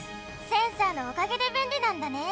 センサーのおかげでべんりなんだね！